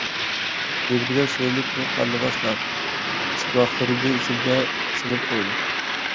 نېمىدېگەن سۆيۈملۈك بۇ قارلىغاچلار! كىچىك ۋاقىتلىرىمنى ئېسىمگە سېلىپ قويدى.